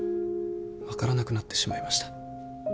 分からなくなってしまいました。